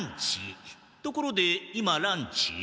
ところで今ランチ？